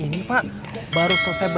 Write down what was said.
cilak cilak cilak